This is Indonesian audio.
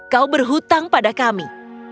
kau berhutang pada kami